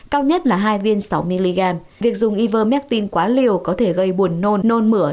cao nhất là hai viên sáu mg việc dùng ivermectin quá liều có thể gây buồn nôn nôn mửa